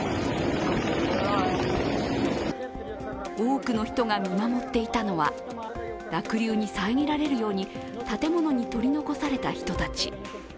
多くの人が見守っていたのは濁流に遮られるように建物に取り残された人たち。